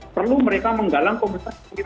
perlu mereka menggalang komunitas